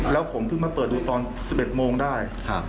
แล้วผมเพิ่งมาเปิดดูตอน๑๑โมงได้